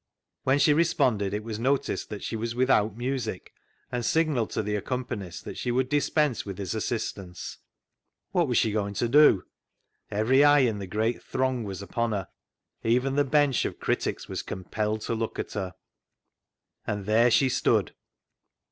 When she responded it was noticed that she was without music, and signalled to the accom panist that she would dispense with his assist ance. What was she going to do ? Every eye in the great throng was upon her; even the bench of critics was compelled to look at her. And there she stood.